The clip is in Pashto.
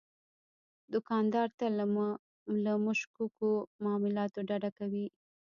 دوکاندار تل له مشکوکو معاملاتو ډډه کوي.